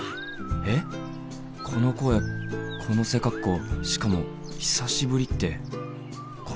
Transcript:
えっこの声この背格好しかも「久しぶり」ってこれがケン？